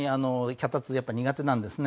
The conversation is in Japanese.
脚立は苦手なんですね。